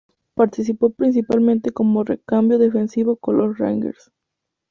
Participó principalmente como recambio defensivo con los Rangers.